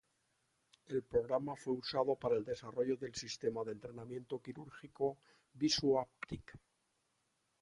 El programa fue usado para el desarrollo de el sistema de entrenamiento quirúrgico visuo-haptic.